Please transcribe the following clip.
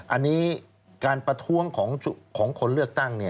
อันนี้การประท้วงของคนเลือกตั้ง